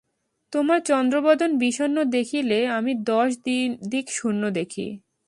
তোমার চন্দ্রবদন বিষণ্ণ দেখিলে আমি দশ দিক শূন্য দেখি।